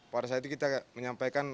pada saat itu kita menyampaikan